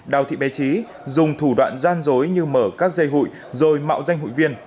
đào thị bé trí dùng thủ đoạn gian dối như mở các dây hụi rồi mạo danh hụi viên